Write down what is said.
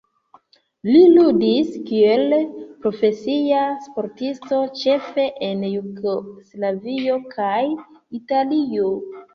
Li ludis kiel profesia sportisto ĉefe en Jugoslavio kaj Italio.